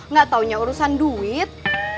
nggak taunya urusan duit